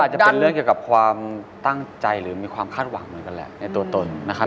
จะเป็นเรื่องเกี่ยวกับความตั้งใจหรือมีความคาดหวังเหมือนกันแหละในตัวตนนะครับ